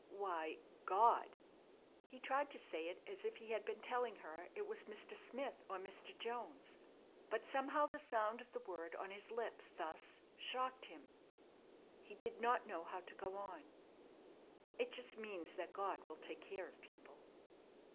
"Why God." He tried to say it as if he had been telling her it was Mr. Smith or Mr. Jones, but somehow the sound of the word on his lips thus shocked him. He did not know how to go on. "It just means God will take care of people."